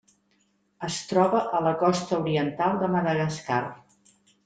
Es troba a la costa oriental de Madagascar.